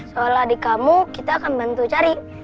soalnya adik kamu kita akan bantu cari